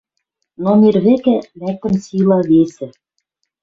Но мир вӹкӹ лӓктӹн сила весӹ